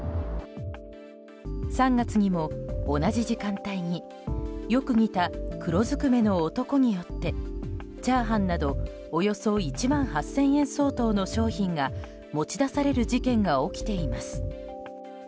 ３月にも同じ時間帯によく似た黒ずくめの男によってチャーハンなどおよそ１万８０００円相当の商品が持ち出される事件が起きています。